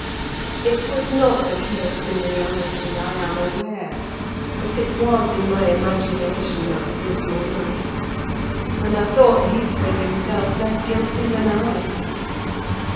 It was not the case, in reality, I am aware; but it was, in my imagination, that dismal night; and I thought Heathcliff himself less guilty than I.